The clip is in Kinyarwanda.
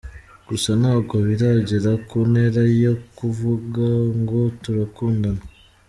Gusa ntabwo biragera kuntera yokuvuga ngo turakundana.